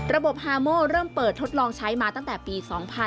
ฮาโมเริ่มเปิดทดลองใช้มาตั้งแต่ปี๒๕๕๙